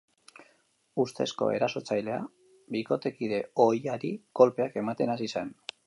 Ustezko erasotzailea bikotekide ohiari kolpeak ematen hasi zen.